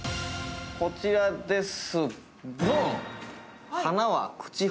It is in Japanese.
こちらです。